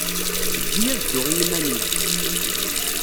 Ejj-iyi ad dduɣ i yiman-inu.